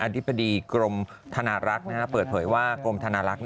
ธิบดีกรมธนารักษ์เปิดเผยว่ากรมธนารักษ์